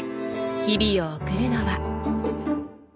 日々を送るのは。